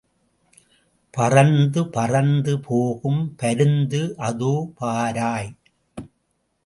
பறந்து பறந்து போகும் பருந்து அதோ பாராய்.